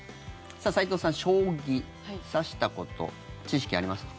齊藤さん、将棋、指したこと知識、ありますか？